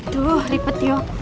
duh ripet yuk